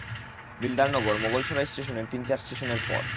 দিলদারনগর মোগলসরাই ষ্টেশনের তিন-চার ষ্টেশনের পর।